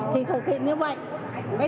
thì thực hiện như vậy